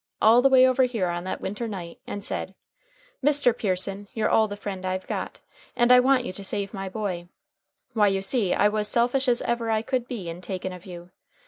all the way over here on that winter night, and said, 'Mr. Pearson, you're all the friend I've got, and I want you to save my boy,' why, you see I was selfish as ever I could be in takin' of you.